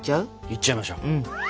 いっちゃいましょう。